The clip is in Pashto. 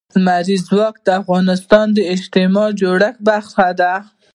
لمریز ځواک د افغانستان د اجتماعي جوړښت برخه ده.